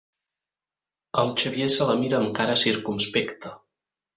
El Xavier se la mira amb cara circumspecta.